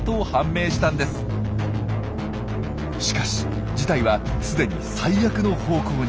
しかし事態はすでに最悪の方向に。